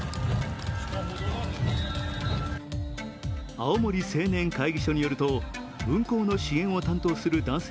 青森青年会議所によると運行の支援を担当する男性